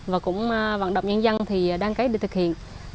và cũng vận động nhân dân thì đăng ký để thực hiện